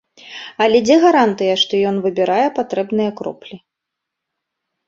Але дзе гарантыя, што ён выбірае патрэбныя кроплі?